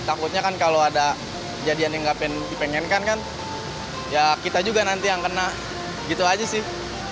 takutnya kan kalau ada jadian yang gak dipengenkan kan ya kita juga nanti yang kena gitu aja sih